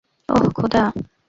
ওহ্, খোদা!